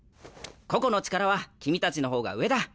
個々の力は君たちの方が上だ。